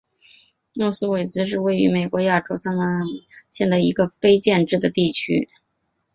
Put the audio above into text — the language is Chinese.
诺斯伍兹是位于美国亚利桑那州阿帕契县的一个非建制地区。